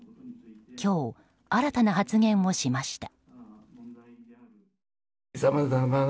今日、新たな発言をしました。